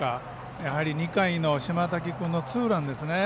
やはり、２回の島瀧君のツーランですね。